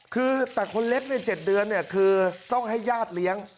คือแต่คนเล็ก๗เดือนคือต้องให้ญาติเลี้ยง